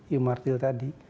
iu martil tadi